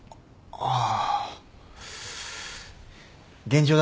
ああ。